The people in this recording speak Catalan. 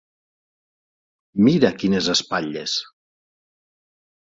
Mira quines espatlles!